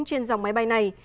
trên dòng máy bay này